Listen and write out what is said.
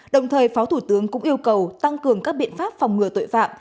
đồng thời phó thủ tướng cũng yêu cầu tăng cường các biện pháp phòng ngừa tội phạm